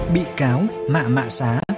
bị cáo mạ mạ xá